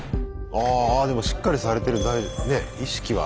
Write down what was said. あでもしっかりされてるね意識は。